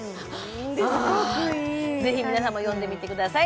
ぜひ皆さんも読んでください。